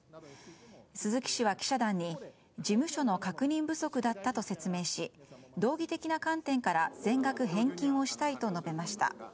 鈴木氏は記者団に事務所の確認不足だったと説明し道義的な観点から全額返金をしたいと述べました。